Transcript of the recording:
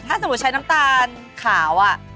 ถ้าสมมุติใช้น้ำตาลขาว